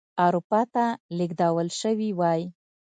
اروپا ته لېږدول شوي وای.